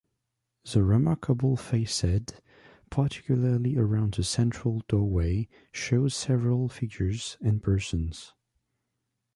The remarkable facade, particularly around the central doorway, shows several figures and persons.